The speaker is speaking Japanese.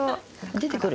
出て来る？